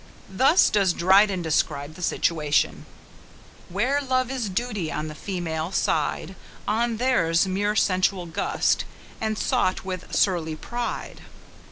Thus does Dryden describe the situation: "Where love is duty on the female side, On theirs mere sensual gust, and sought with surly pride."